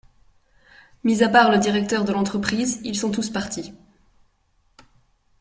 Mis à part le directeur de l’entreprise, ils sont tous partis.